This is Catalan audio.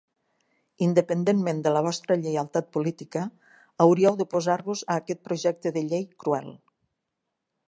Independentment de la vostra lleialtat política, hauríeu d'oposar-vos a aquest projecte de llei cruel.